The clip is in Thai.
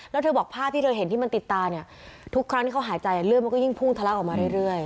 แล้วเธอบอกภาพที่เธอเห็นที่มันติดตาเนี่ยทุกครั้งที่เขาหายใจเลือดมันก็ยิ่งพุ่งทะลักออกมาเรื่อย